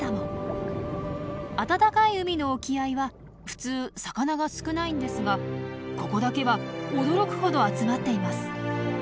暖かい海の沖合は普通魚が少ないんですがここだけは驚くほど集まっています。